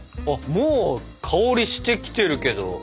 あもう香りしてきてるけど。